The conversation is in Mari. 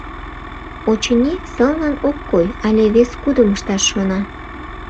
Очыни, сылнын ок кой але вес кудым ышташ шона.